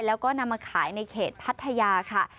แล้วก็นำมาขายในเขตพัทยาค่ะ